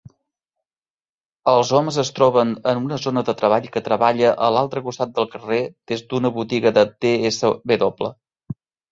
Els homes es troben en una zona de treball que treballa a l'altre costat del carrer des d'una botiga de DSW